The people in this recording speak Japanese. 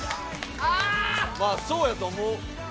まあそうやと思う。